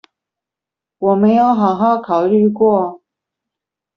我沒有好好考慮過